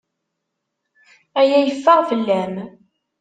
Aya yeffeɣ fell-am.